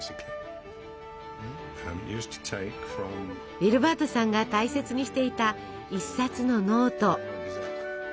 ウィルバートさんが大切にしていた１冊のノート。